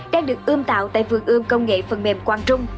đang được ươm tạo tại vườn ươm công nghệ phần mềm quang trung